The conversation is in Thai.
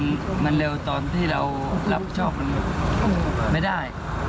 มันเร็วตอนที่เรารับชอบมันไม่ได้